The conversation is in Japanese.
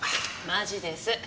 マジです。